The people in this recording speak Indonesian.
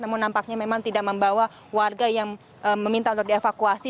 namun nampaknya memang tidak membawa warga yang meminta untuk dievakuasi